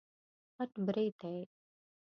غټ برېتی